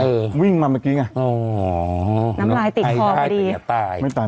เออวิ่งมาเมื่อกี้ไงอ๋อน้ำลายติดคอพอดีอ่ะตายไม่ตาย